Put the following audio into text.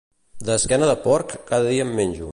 D'esquena de porc, cada dia en menjo.